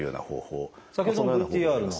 先ほどのＶＴＲの。